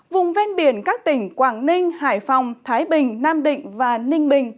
vùng ven biển các tỉnh quảng ninh hải phòng thái bình nam định và ninh bình